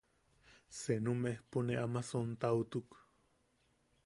Senu mejpo ne ama sontaotuk.